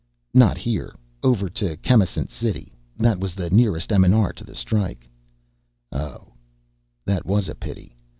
"Not here. Over to Chemisant City. That was the nearest M&R to the strike." "Oh." That was a pity.